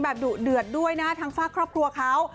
แบบดูดดื่นด้วยนะทั้งฝากครอบครัวเขา